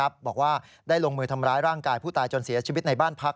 บอกว่าได้ลงมือทำร้ายร่างกายผู้ตายจนเสียชีวิตในบ้านพัก